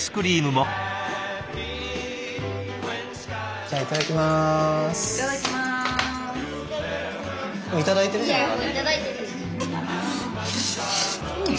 もういただいてるじゃん。